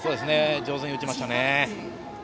上手に打ちましたね。